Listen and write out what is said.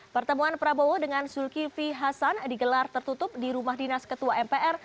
pertemuan prabowo dengan zulkifli hasan digelar tertutup di rumah dinas ketua mpr